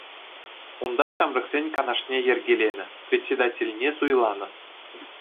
Унта ҫамрӑксен канашне йӗркеленӗ, председательне суйланӑ.